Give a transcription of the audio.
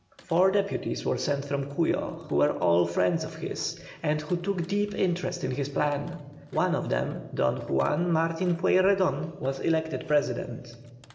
Four deputies were sent from Cuyo, who were all friends of his, and who took deep interest in his plan. One of them, Don Juan Martin Pueyrredon, was elected President.